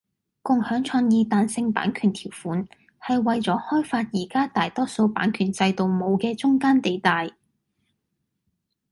共享創意彈性版權條款係為咗開發而家大多數版權制度冇嘅中間地帶